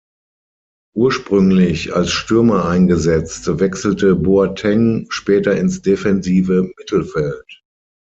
Ursprünglich als Stürmer eingesetzt, wechselte Boateng später ins defensive Mittelfeld.